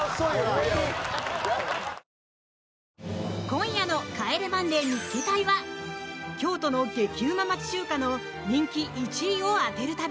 今夜の「帰れマンデー見っけ隊！！」は京都の激うま町中華の人気１位を当てる旅。